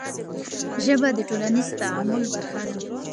ژبه د ټولنیز تعامل برخه ده.